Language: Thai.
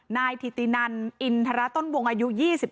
นายถินันอินทรต้นวงอายุ๒๓